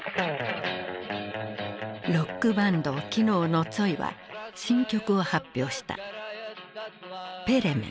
ロックバンドキノーのツォイは新曲を発表した。